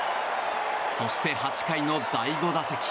そして、８回の第５打席。